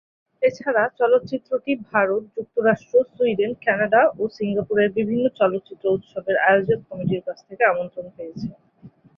এছাড়া চলচ্চিত্রটি ভারত, যুক্তরাষ্ট্র, সুইডেন, কানাডা ও সিঙ্গাপুরের বিভিন্ন চলচ্চিত্র উৎসবের আয়োজক কমিটির কাছ থেকে আমন্ত্রণ পেয়েছে।